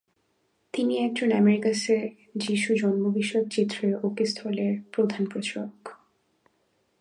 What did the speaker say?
তিনি একজন আমেরিকাসে যিশুর জন্মবিষয়ক চিত্রের অকিস্থলের প্রধান প্রচারক।